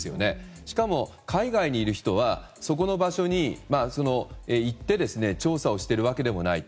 しかも、海外にいる人はそこの場所に行って調査をしているわけでもないと。